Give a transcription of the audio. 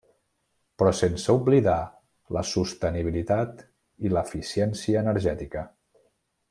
Però sense oblidar la sostenibilitat i l'eficiència energètica.